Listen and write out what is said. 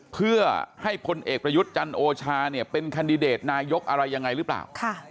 เพื่อให้พลเอกประยุทธ์จันโอชาเป็นแคนดิเดตนายกอะไรยังไงหรือเปล่า